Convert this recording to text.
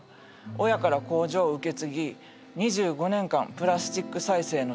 親から工場を受け継ぎ２５年間プラスチック再生の仕事をしてる。